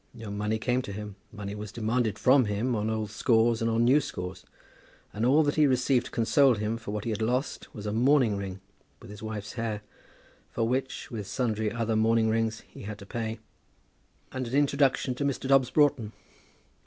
No money came to him. Money was demanded from him on old scores and on new scores, and all that he received to console him for what he had lost was a mourning ring with his wife's hair, for which, with sundry other mourning rings, he had to pay, and an introduction to Mr. Dobbs Broughton.